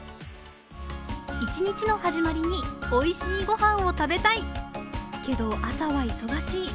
一日の始まりにおいしい御飯を食べたい、けど、朝は忙しい。